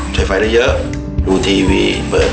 ใช้ไฟได้เยอะดูทีวีเปิด